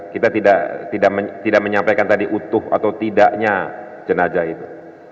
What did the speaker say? kita tidak menyampaikan tadi utuh atau tidaknya jenazah itu